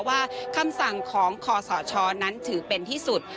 คำสั่งของคอสชนั้นถือเป็นที่สุด